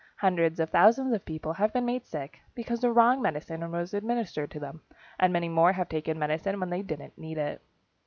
Hundreds of thousands of people have been made sick, because the wrong medicine was administered to them, and many more have taken medicine when they didn't need it.